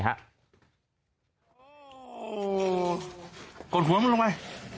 กดหัวมึงลงไป